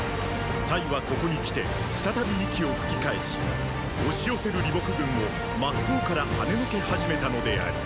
はここにきて再び息を吹き返し押し寄せる李牧軍を真っ向からはねのけ始めたのである。